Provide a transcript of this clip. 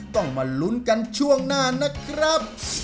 ต้องมาลุ้นกันช่วงหน้านะครับ